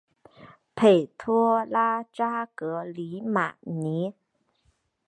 佩托拉扎格里马尼。